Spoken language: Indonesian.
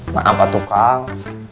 maaf pak tukang